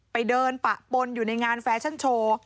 ไปเดินปะปนอยู่ในงานแฟชั่นโชว์